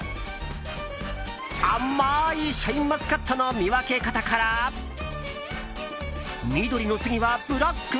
甘いシャインマスカットの見分け方から緑の次はブラック？